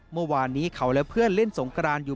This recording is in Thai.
เมื่อวานนี้เขาและเพื่อนเล่นสงกรานอยู่